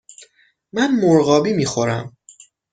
من مرغابی می خورم.